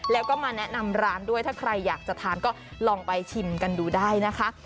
แล้วก็มาแนะนำร้านด้วยถ้าใครอยากจะทานก็ลองไปชิมกันดูได้นะคะ